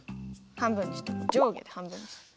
半分にした上下で半分にした。